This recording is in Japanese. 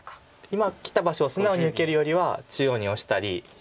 今きた場所を素直に受けるよりは中央にオシたり左下オサエとか